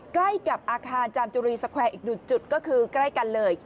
ใกล้กับอาคารจามจุรีสแควร์อีกหนึ่งจุดก็คือใกล้กันเลย